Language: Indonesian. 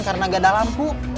karena gak ada lampu